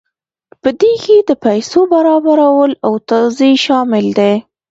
په دې کې د پیسو برابرول او توزیع شامل دي.